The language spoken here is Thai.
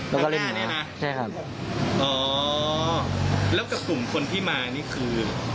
แล้วกับกลุ่มที่มานี่คือ